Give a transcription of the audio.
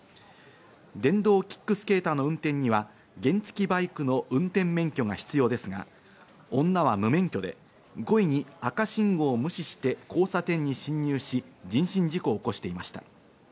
電動キックスケーターの運転には原付バイクの運転免許が必要ですが、女は無免許で故意に赤信号を無視して交差点に進入し、人身事故を起こしていました。